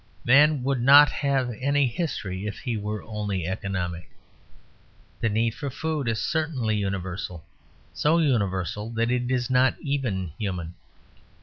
Man would not have any history if he were only economic. The need for food is certainly universal, so universal that it is not even human.